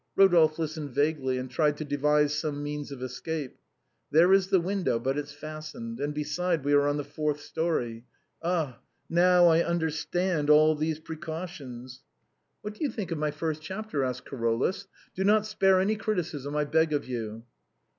Eodolphe listened vaguely, and tried to devise some means of escape. " There is the window, but it's fastened ; and, besides, we are in the fourth story. Ah, now, I understand all these precautions." " What do you think of my first chapter ?" asked Caro lus, " do not spare criticism, I beg of you."